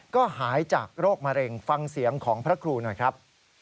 ก็หายจากโรคมะเร็งฟังเสียงของพระครูหน่อยครับ